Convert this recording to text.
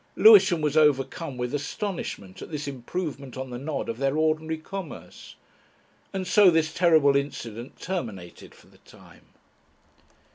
Lewisham was overcome with astonishment at this improvement on the nod of their ordinary commerce. And so this terrible incident terminated for the time.